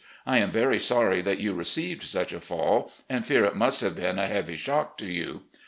I am very sorry that you received such a fall, and fear it must have been a heavy shock to you.